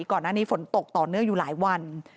ก่อนหน้านี้ฝนตกต่อเนื่องอยู่หลายวัน